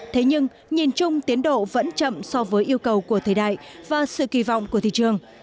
thế nhưng nhìn chung tiến độ vẫn chậm so với yêu cầu của thời đại và sự kỳ vọng của thị trường